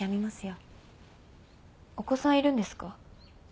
お子さんいるんですか？